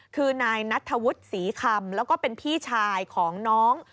คือนายนัทธวุฒิศรีคำแล้วก็เป็นพี่ชายของน้อง